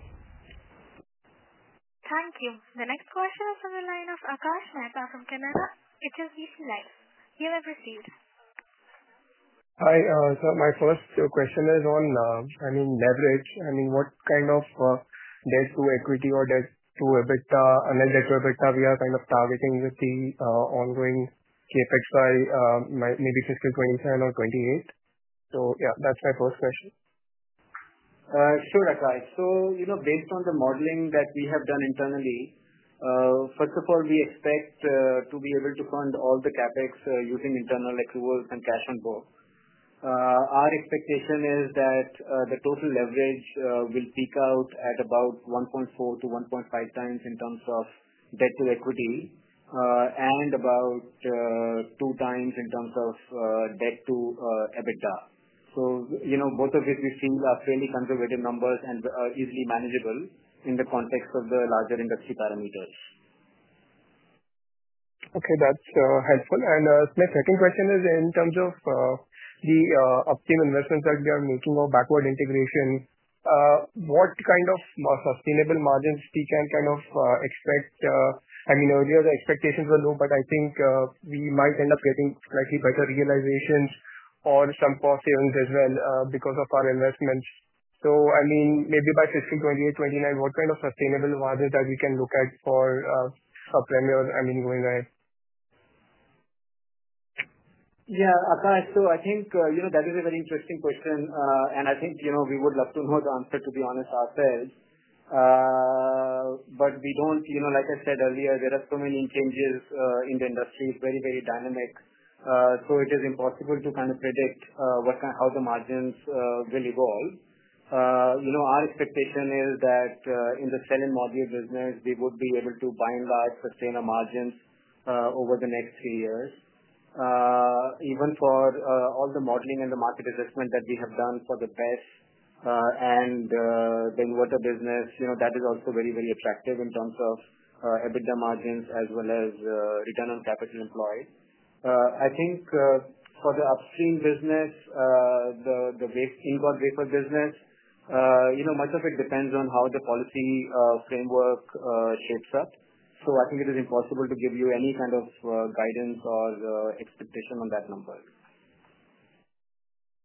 Thank you. The next question is from the line of Akash Mehta from Canara HSBC Life. You may proceed.
Hi. So my first question is on, I mean, leverage. I mean, what kind of debt to equity or debt to EBITDA, unless debt to EBITDA, we are kind of targeting with the ongoing CapEx by maybe fiscal 2027 or 2028. So yeah, that's my first question.
Sure, Akash. Based on the modeling that we have done internally, first of all, we expect to be able to fund all the CapEx using internal accruals and cash on book. Our expectation is that the total leverage will peak out at about 1.4-1.5 times in terms of debt to equity and about 2 times in terms of debt to EBITDA. Both of which we feel are fairly conservative numbers and easily manageable in the context of the larger industry parameters.
Okay. That's helpful. My second question is in terms of the upstream investments that we are making or backward integration, what kind of sustainable margins we can kind of expect? I mean, earlier, the expectations were low, but I think we might end up getting slightly better realisations or some cost savings as well because of our investments. I mean, maybe by fiscal 2028, 2029, what kind of sustainable margins that we can look at for Premier, I mean, going ahead?
Yeah. Akash, I think that is a very interesting question, and I think we would love to know the answer, to be honest, ourselves. Like I said earlier, there are so many changes in the industry. It is very, very dynamic. It is impossible to kind of predict how the margins will evolve. Our expectation is that in the cell and module business, we would be able to, by and by, sustain our margins over the next three years. Even for all the modeling and the market assessment that we have done for the BESS and the inverter business, that is also very, very attractive in terms of EBITDA margins as well as return on capital employed. I think for the upstream business, the ingot wafer business, much of it depends on how the policy framework shapes up. I think it is impossible to give you any kind of guidance or expectation on that number.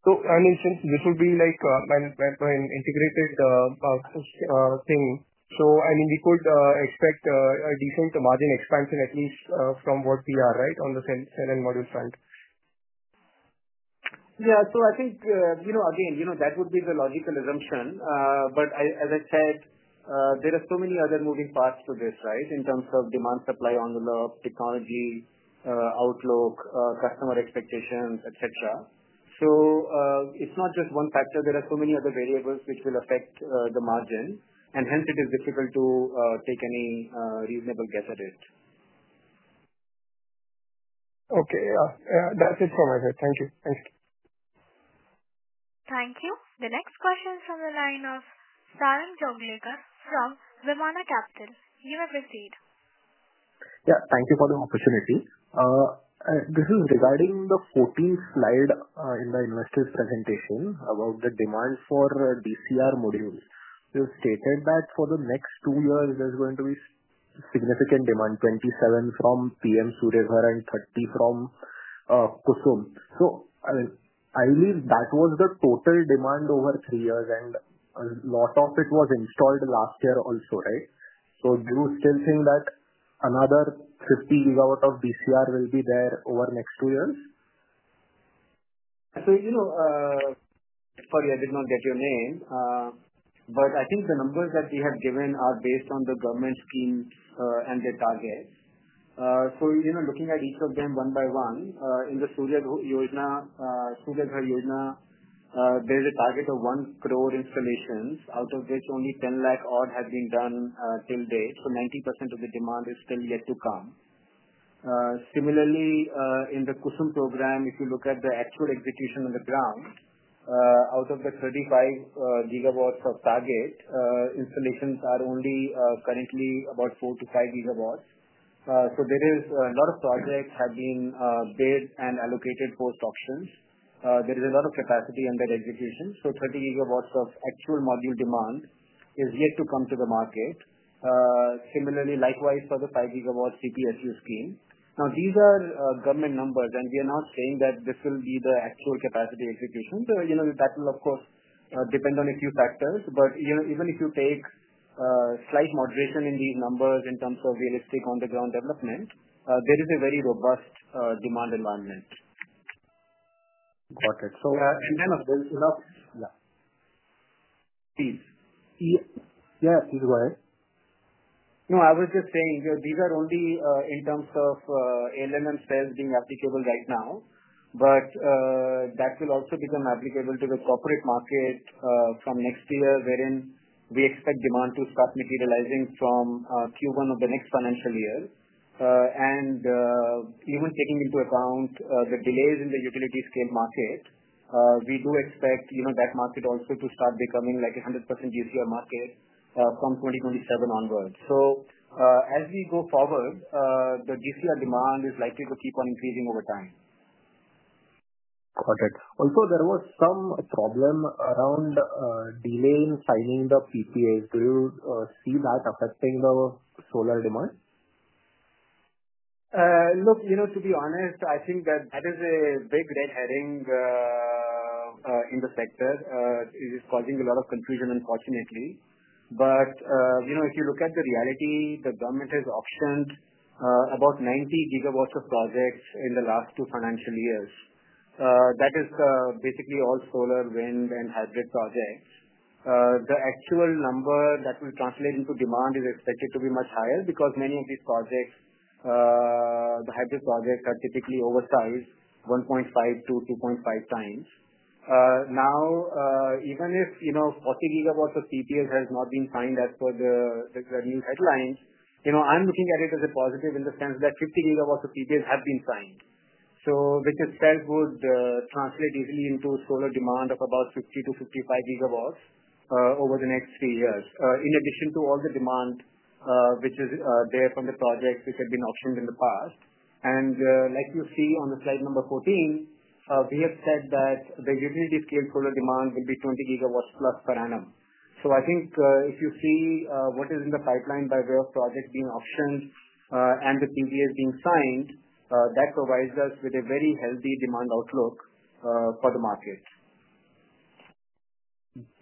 I mean, since this will be like an integrated thing, I mean, we could expect a decent margin expansion at least from what we are, right, on the cell and module front?
Yeah. I think, again, that would be the logical assumption. As I said, there are so many other moving parts to this, right, in terms of demand-supply envelope, technology outlook, customer expectations, etc. It is not just one factor. There are so many other variables which will affect the margin, and hence it is difficult to take any reasonable guess at it.
Okay. Yeah. That's it from my side. Thank you. Thanks.
Thank you. The next question is from the line of Sarang Joglekar from Vimana Capital. You may proceed.
Yeah. Thank you for the opportunity. This is regarding the 14th slide in the investors' presentation about the demand for DCR modules. You stated that for the next two years, there's going to be significant demand, 27 from PM Suryaghar and 30 from KUSUM. I believe that was the total demand over three years, and a lot of it was installed last year also, right? Do you still think that another 50 gigawatt of DCR will be there over the next two years?
Sorry, I did not get your name, but I think the numbers that we have given are based on the government schemes and the targets. Looking at each of them one by one, in the Suryaghar Yojana, there is a target of 1 crore installations, out of which only 10 lakh odd has been done till date. 90% of the demand is still yet to come. Similarly, in the KUSUM program, if you look at the actual execution on the ground, out of the 35 gigawatts of target, installations are only currently about 4 to 5 gigawatts. There are a lot of projects that have been bid and allocated post-auctions. There is a lot of capacity under execution. 30 gigawatts of actual module demand is yet to come to the market. Similarly, likewise for the 5-gigawatt CPSU scheme. Now, these are government numbers, and we are not saying that this will be the actual capacity execution. That will, of course, depend on a few factors. Even if you take slight moderation in these numbers in terms of realistic on-the-ground development, there is a very robust demand environment.
Got it. So.
There is enough.
Yeah.
Please.
Yeah. Please go ahead.
No, I was just saying these are only in terms of ALMM cells being applicable right now, but that will also become applicable to the corporate market from next year, wherein we expect demand to start materializing from Q1 of the next financial year. Even taking into account the delays in the utility-scale market, we do expect that market also to start becoming like a 100% DCR market from 2027 onward. As we go forward, the DCR demand is likely to keep on increasing over time.
Got it. Also, there was some problem around delay in signing the PPAs. Do you see that affecting the solar demand?
Look, to be honest, I think that that is a big red herring in the sector. It is causing a lot of confusion, unfortunately. If you look at the reality, the government has auctioned about 90 gigawatts of projects in the last two financial years. That is basically all solar, wind, and hybrid projects. The actual number that will translate into demand is expected to be much higher because many of these projects, the hybrid projects, are typically oversized 1.5-2.5 times. Now, even if 40 gigawatts of PPAs have not been signed as per the new headlines, I'm looking at it as a positive in the sense that 50 gigawatts of PPAs have been signed, which itself would translate easily into solar demand of about 50-55 gigawatts over the next three years, in addition to all the demand which is there from the projects which have been auctioned in the past. Like you see on slide number 14, we have said that the utility-scale solar demand will be 20 gigawatts plus per annum. I think if you see what is in the pipeline by way of projects being auctioned and the PPAs being signed, that provides us with a very healthy demand outlook for the market.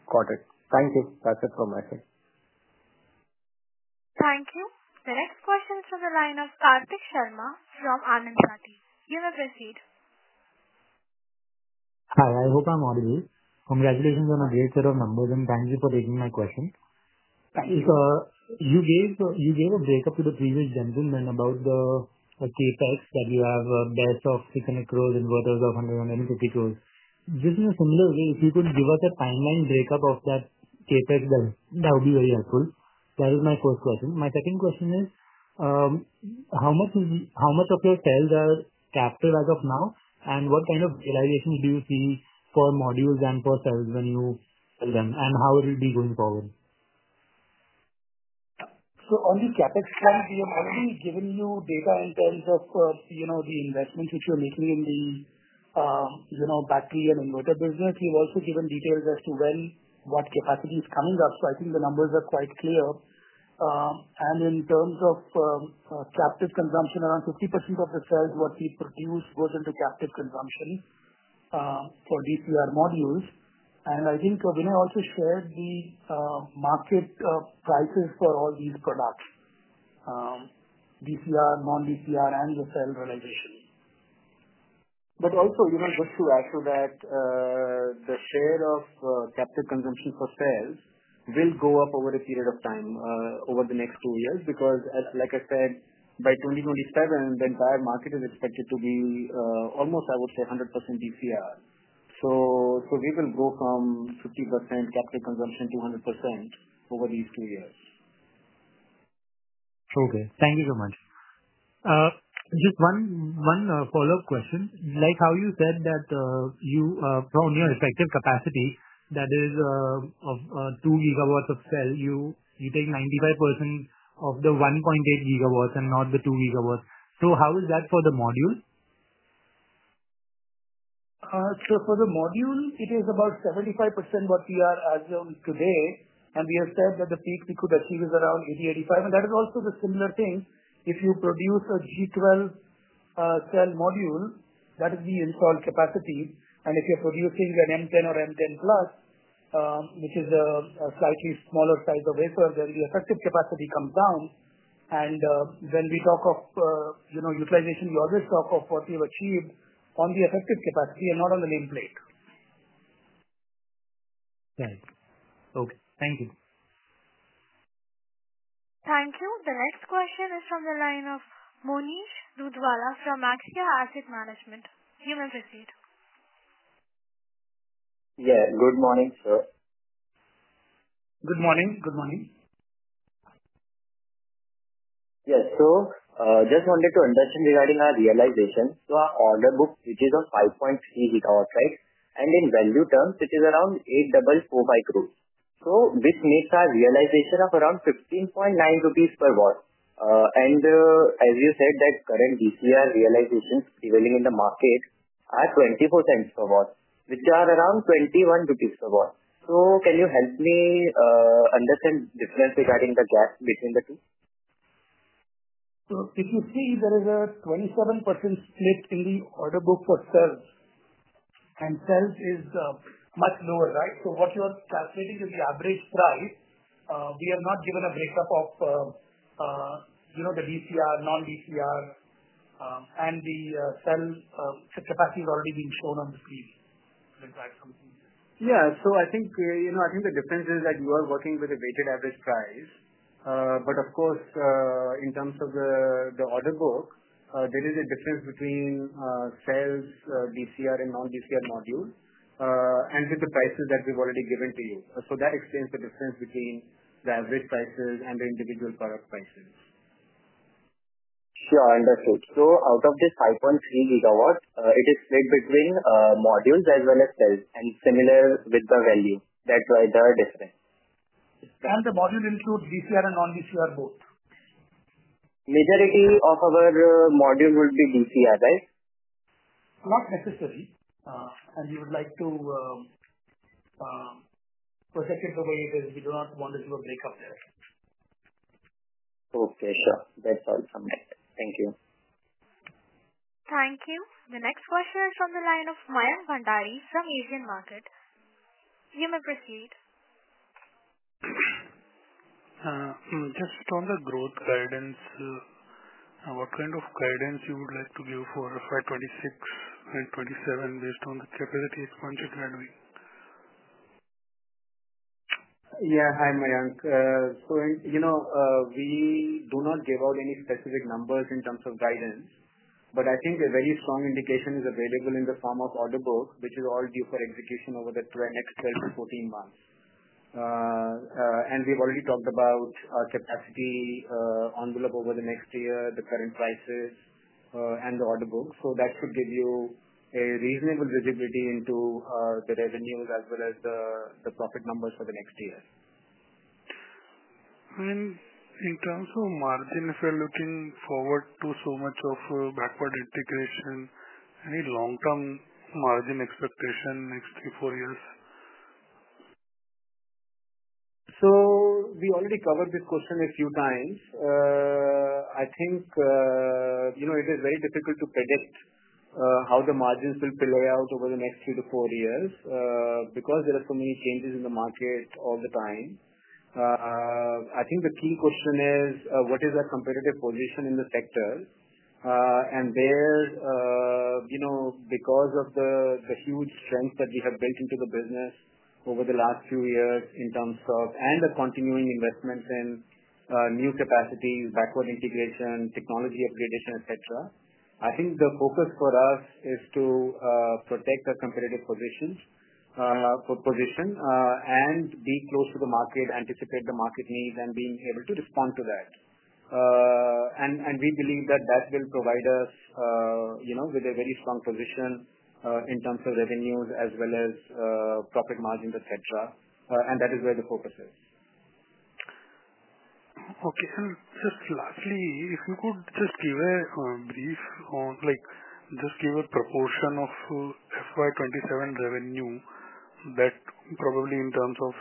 Got it. Thank you. That's it from my side.
Thank you. The next question is from the line of Kartik Sharma from Anand Rathi. You may proceed.
Hi. I hope I'm audible. Congratulations on a great set of numbers, and thank you for taking my question. Thank you. You gave a breakup to the previous gentleman about the CapEx that you have a BESS of INR 600 crore and inverters of 150 crore. Just in a similar way, if you could give us a timeline breakup of that CapEx, that would be very helpful. That is my first question. My second question is, how much of your cells are captive as of now, and what kind of realisations do you see for modules and for cells when you sell them, and how will it be going forward?
On the CapEx side, we have already given you data in terms of the investments which you're making in the battery and inverter business. We've also given details as to when what capacity is coming up. I think the numbers are quite clear. In terms of captive consumption, around 50% of the cells what we produce goes into captive consumption for DCR modules. I think we may also share the market prices for all these products, DCR, non-DCR, and the cell realisation.
Also, just to add to that, the share of captive consumption for cells will go up over a period of time over the next two years because, like I said, by 2027, the entire market is expected to be almost, I would say, 100% DCR. We will go from 50% captive consumption to 100% over these two years.
Okay. Thank you so much. Just one follow-up question. Like how you said that you found your effective capacity, that is of 2 gigawatts of cell, you take 95% of the 1.8 gigawatts and not the 2 gigawatts. How is that for the module?
For the module, it is about 75% what we are at today, and we have said that the peak we could achieve is around 80-85%. That is also the similar thing. If you produce a G12 cell module, that is the installed capacity. If you are producing an M10 or M10 Plus, which is a slightly smaller size of wafer, then the effective capacity comes down. When we talk of utilisation, we always talk of what we have achieved on the effective capacity and not on the nameplate.
Thanks. Okay. Thank you.
Thank you. The next question is from the line of Mohnish Dudhwala from Axia Asset Management. You may proceed.
Yeah. Good morning, sir.
Good morning.
Yes. So just wanted to understand regarding our realisation. Our order book, which is of 5.3 gigawatts, right, and in value terms, it is around 8,445 crore. This makes our realisation of around 15.9 rupees per watt. As you said, current DCR realisations prevailing in the market are $0.24 per watt, which are around 21 rupees per watt. Can you help me understand the difference regarding the gap between the two?
If you see, there is a 27% split in the order book for cells, and cells is much lower, right? What you are calculating is the average price. We are not given a breakup of the DCR, non-DCR, and the cell capacity is already being shown on the screen.
Yeah. I think the difference is that you are working with a weighted average price. Of course, in terms of the order book, there is a difference between cells, DCR, and non-DCR modules and with the prices that we've already given to you. That explains the difference between the average prices and the individual product prices.
Sure. Understood. Out of this 5.3 gigawatts, it is split between modules as well as cells, and similar with the value. That's why there are differences.
The modules include DCR and non-DCR both?
Majority of our modules would be DCR, right?
Not necessary. You would like to put it the way it is. We do not want to do a breakup there.
Okay. Sure. That's all from my side. Thank you.
Thank you. The next question is from the line of Mayank Bhandari from Asian Market. You may proceed.
Just on the growth guidance, what kind of guidance you would like to give for FY 2026 and 2027 based on the capacity expansion?
Yeah. Hi, Mayank. We do not give out any specific numbers in terms of guidance, but I think a very strong indication is available in the form of order book, which is all due for execution over the next 12-14 months. We have already talked about our capacity envelope over the next year, the current prices, and the order book. That should give you a reasonable visibility into the revenues as well as the profit numbers for the next year.
In terms of margin, if we're looking forward to so much of backward integration, any long-term margin expectation next three, four years?
We already covered this question a few times. I think it is very difficult to predict how the margins will play out over the next three to four years because there are so many changes in the market all the time. I think the key question is, what is our competitive position in the sector? There, because of the huge strength that we have built into the business over the last few years in terms of and the continuing investments in new capacity, backward integration, technology upgradation, etc., I think the focus for us is to protect our competitive position and be close to the market, anticipate the market needs, and be able to respond to that. We believe that that will provide us with a very strong position in terms of revenues as well as profit margins, etc. That is where the focus is.
Okay. And just lastly, if you could just give a brief on just give a proportion of FY 2027 revenue, probably in terms of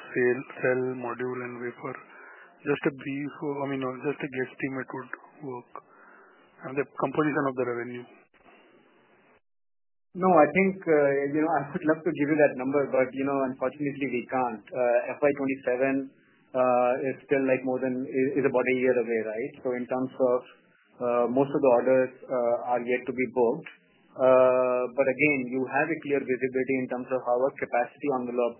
cell, module, and wafer. Just a brief, I mean, just a guesstimate would work, the composition of the revenue.
No, I think I would love to give you that number, but unfortunately, we can't. FY 2027 is still more than is about a year away, right? In terms of most of the orders, they are yet to be booked. Again, you have a clear visibility in terms of how our capacity envelope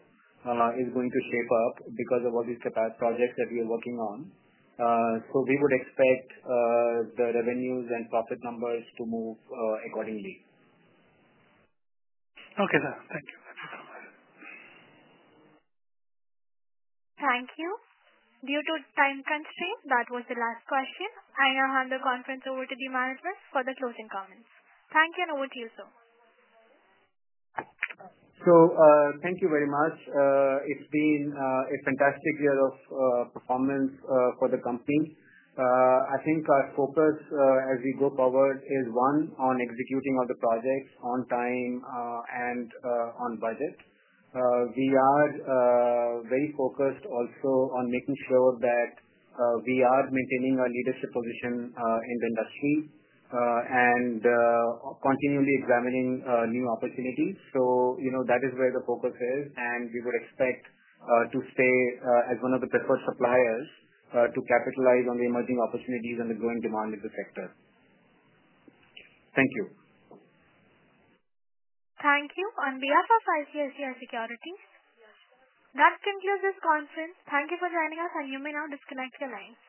is going to shape up because of all these projects that we are working on. We would expect the revenues and profit numbers to move accordingly.
Okay. Thank you. Thank you so much.
Thank you. Due to time constraints, that was the last question. I now hand the conference over to the management for the closing comments. Thank you, and over to you, sir.
Thank you very much. It's been a fantastic year of performance for the company. I think our focus as we go forward is, one, on executing all the projects on time and on budget. We are very focused also on making sure that we are maintaining our leadership position in the industry and continually examining new opportunities. That is where the focus is, and we would expect to stay as one of the preferred suppliers to capitalize on the emerging opportunities and the growing demand in the sector. Thank you.
Thank you. On behalf of ICICI Securities, that concludes this conference. Thank you for joining us, and you may now disconnect your lines.